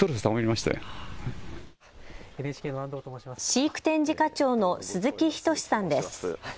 飼育展示課長の鈴木仁さんです。